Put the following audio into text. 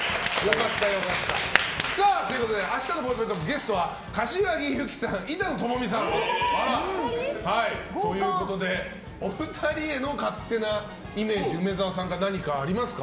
明日のぽかぽかトークのゲストは柏木由紀さん、板野友美さんということでお二人への勝手なイメージ梅沢さんから何かありますか？